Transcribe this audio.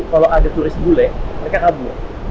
kalau ada turis bule mereka kabur